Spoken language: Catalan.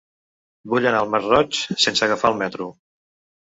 Vull anar al Masroig sense agafar el metro.